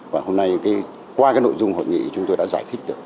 và hôm nay qua cái nội dung hội nghị chúng tôi đã giải thích được